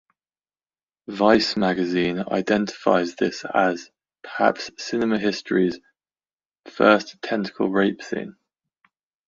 "Vice" magazine identifies this as "perhaps cinema history's first tentacle-rape scene".